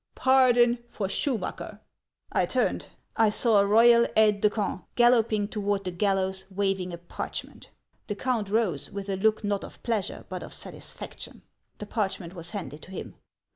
Pardon for Schumacker !' I turned; I saw a royal aide de camp galloping toward the gallows waving a parchment. The count rose, with a look not of pleasure, but of satisfaction. The parchment was handed to him.